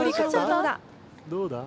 どうだ？